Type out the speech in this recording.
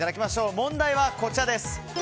問題はこちらです。